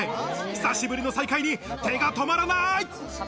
久しぶりの再会に手が止まらない！